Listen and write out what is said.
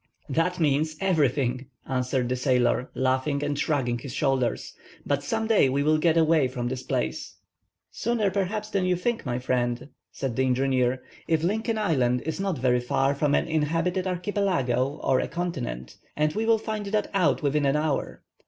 "That means—everything," answered the sailor, laughing and shrugging his shoulders. "But some day we will get away from this place." "Sooner, perhaps, than you think, my friends," said the engineer, "if Lincoln Island is not very far from an inhabited archipelego or a continent. And we will find that out within an hour.